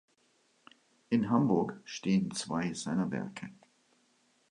In Hamburg stehen zwei seiner Werke.